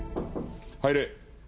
入れ。